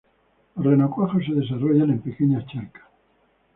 Los renacuajos se desarrollan en pequeñas charcas.